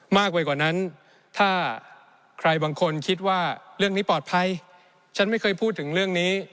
มากไปกว่านั้นถ้าใครบางคนคิดว่าเรื่องนี้ปลอดภัยฉันไม่เคยพูดถึงเรื่องนี้